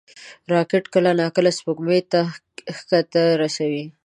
راکټ کله ناکله سپوږمۍ ته کښتۍ رسوي